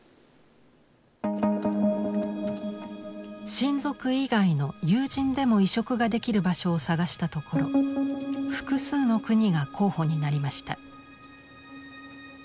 親族以外の友人でも移植ができる場所を探したところ複数の国が候補になりました。